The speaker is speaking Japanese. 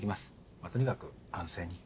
まぁとにかく安静に。